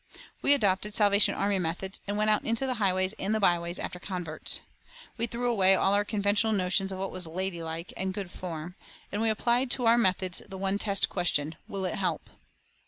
We adopted Salvation Army methods and went out into the highways and the byways after converts. We threw away all our conventional notions of what was "ladylike" and "good form," and we applied to our methods the one test question, Will it help?